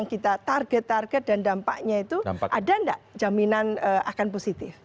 kita target target dan dampaknya itu ada nggak jaminan akan positif